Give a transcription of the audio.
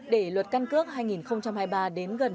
để luật căn cước hai nghìn hai mươi ba đến gần